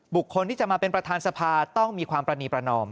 คนที่จะมาเป็นประธานสภาต้องมีความประนีประนอม